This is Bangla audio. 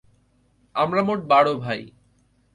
আমরা মোট বার ভাই।